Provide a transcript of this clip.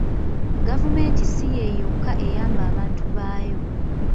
Gavumenti si ye yokka eyamba abantu baayo.